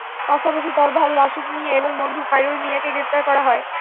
পাশাপাশি তাঁর ভাই আশিক মিয়া এবং বন্ধু খাইরুল মিয়াকে গ্রেপ্তার করা হয়।